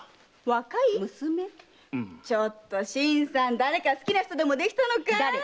新さん誰か好きな人でもできたのかい？